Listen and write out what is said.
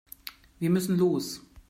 Wir müssen los.